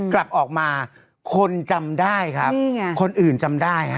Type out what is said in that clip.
กลับออกมาคนจำได้ครับคนอื่นจำได้ฮะ